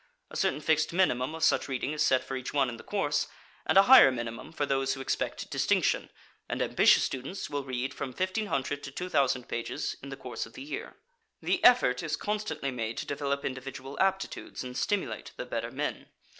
A certain fixed minimum of such reading is set for each one in the course, and a higher minimum for those who expect distinction, and ambitious students will read from 1,500 to 2,000 pages in the course of the year. The effort is constantly made to develop individual aptitudes and stimulate the better men.